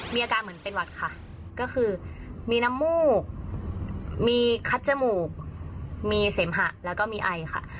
มีอาการเหมือนเป็นหวัดค่ะก็คือมีน้ำมูกมีคัดจมูกมีเสมหะแล้วก็มีไอค่ะ